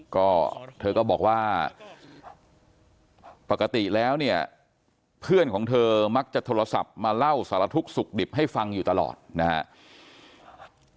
ก็เธอก็บอกว่าปกติแล้วเนี่ยเพื่อนของเธอมักจะโทรศัพท์มาเล่าสารทุกข์สุขดิบให้ฟังอยู่ตลอดนะครับ